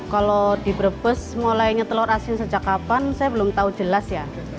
kalau di brebes mulainya telur asin sejak kapan saya belum tahu jelas ya